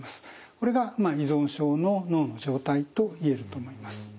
これが依存症の脳の状態と言えると思います。